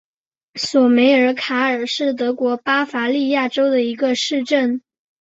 索梅尔卡尔是德国巴伐利亚州的一个市镇。